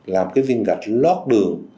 làm cái viên gạch lót đường